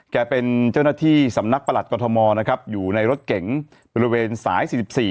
เป็นเจ้าหน้าที่สำนักประหลัดกรทมนะครับอยู่ในรถเก๋งบริเวณสาย๔๔